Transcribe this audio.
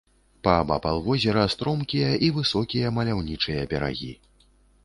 Паабапал возера стромкія і высокія маляўнічыя берагі.